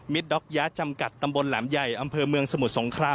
ด็อกยะจำกัดตำบลแหลมใหญ่อำเภอเมืองสมุทรสงคราม